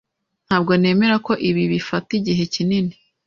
Ntabwo nemera ko ibi bifata igihe kinini.